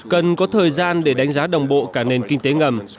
cần có thời gian để đánh giá đồng bộ cả nền kinh tế ngầm